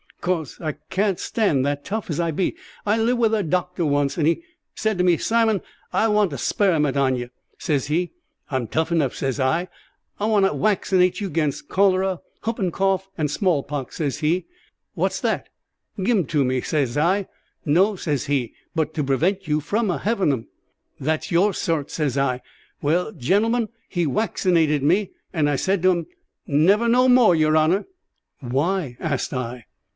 "'Cause I can't stand that, tough as I be. I lived wi' a doctor once, and says he to me, 'Simon, I want to speriment on ye,' says he. 'I'm tough 'nough,' says I. 'I want to waccinate you 'gainst cholera, hoopin' cough, and small pox,' says he. 'What's that? give 'em to me?' says I. 'No,' says he, 'but to prevent you from a hevin' 'em.' 'That's yer sorts,' says I. Well, gentlemen, he waccinated me, and I said to un, 'Never no more, yer honour.'" "Why?" asked I.